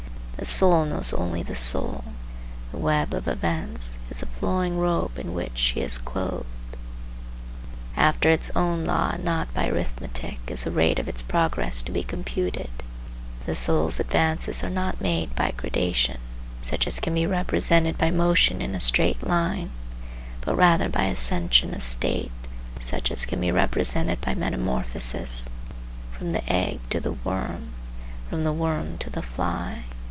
The soul knows only the soul; the web of events is the flowing robe in which she is clothed. After its own law and not by arithmetic is the rate of its progress to be computed. The soul's advances are not made by gradation, such as can be represented by motion in a straight line, but rather by ascension of state, such as can be represented by metamorphosis,—from the egg to the worm, from the worm to the fly.